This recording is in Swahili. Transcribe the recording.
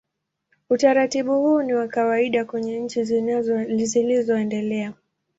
Utaratibu huu ni wa kawaida kwenye nchi zilizoendelea.